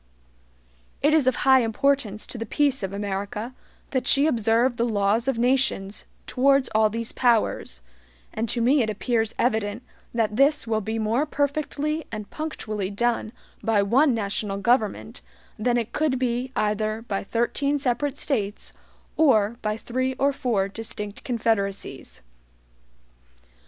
It is of high importance to the peace of America that she observe the laws of nations towards all these powers, and to me it appears evident that this will be more perfectly and punctually done by one national government than it could be either by thirteen separate States or by three or four distinct confederacies.